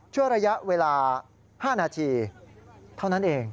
ระยะเวลา๕นาทีเท่านั้นเอง